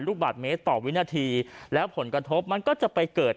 ลูกบาทเมตรต่อวินาทีแล้วผลกระทบมันก็จะไปเกิด